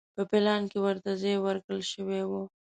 په پلان کې ورته ځای ورکړل شوی و.